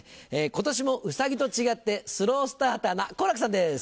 今年もうさぎと違ってスロースターターな好楽さんです。